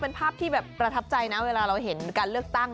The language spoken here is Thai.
เป็นภาพที่แบบประทับใจนะเวลาเราเห็นการเลือกตั้ง